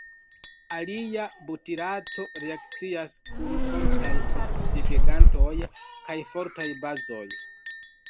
Alila butirato reakcias kun fortaj oksidigagentoj kaj fortaj bazoj.